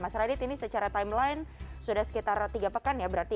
mas radit ini secara timeline sudah sekitar tiga pekan ya berarti invasi rusia ke palestina